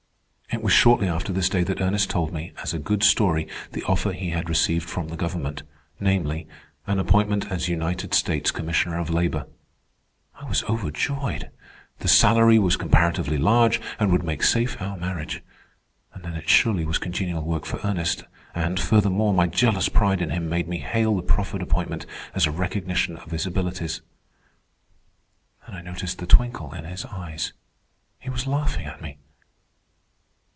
It was shortly after this day that Ernest told me, as a good story, the offer he had received from the government, namely, an appointment as United States Commissioner of Labor. I was overjoyed. The salary was comparatively large, and would make safe our marriage. And then it surely was congenial work for Ernest, and, furthermore, my jealous pride in him made me hail the proffered appointment as a recognition of his abilities. Then I noticed the twinkle in his eyes. He was laughing at me.